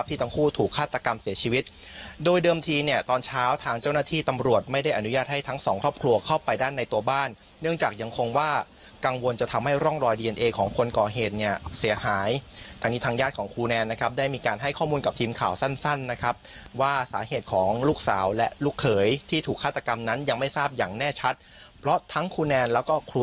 ถูกฆาตกรรมเสียชีวิตโดยเดิมทีเนี้ยตอนเช้าทางเจ้าหน้าที่ตำรวจไม่ได้อนุญาตให้ทั้งสองครอบครัวเข้าไปด้านในตัวบ้านเนื่องจากยังคงว่ากังวลจะทำให้ร่องรอยดีเอ็นเอของคนก่อเหตุเนี้ยเสียหายทางนี้ทางญาติของครูแนนนะครับได้มีการให้ข้อมูลกับทีมข่าวสั้นสั้นนะครับว่าสาเหตุของลูกสาวและลูก